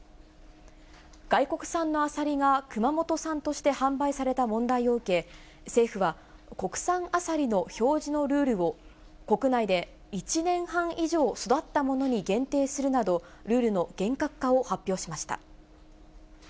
外国産のアサリが熊本産として販売された問題を受け、政府は国産アサリの表示のルールを、国内で１年半以上育ったものに限定するなど、ルールの厳格化を発表しました。